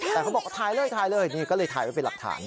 แต่เขาบอกถ่ายเลยถ่ายเลยนี่ก็เลยถ่ายไว้เป็นหลักฐาน